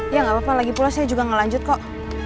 ya gapapa lagi pulasnya juga ngelanjut kok